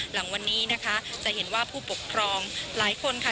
หลังวันนี้นะคะจะเห็นว่าผู้ปกครองหลายคนค่ะ